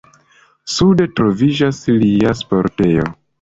Sude troviĝas lia sportejo.